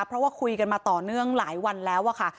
เพราะว่าคุยกันมาต่อเนื่องหลายวันแล้วอะค่ะ